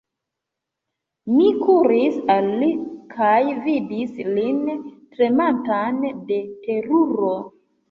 Mi kuris al li kaj vidis lin tremantan de teruro.